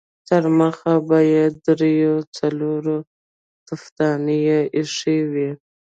ترمخې به يې درې څلور تفدانۍ اېښې وې.